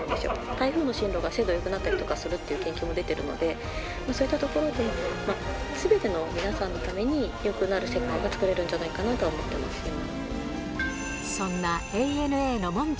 台風の進路が精度よくなったりするっていうような研究も出ているので、そういったところで、すべての皆さんのために、よくなる世界が作れるんじゃないかなと思っていますけど。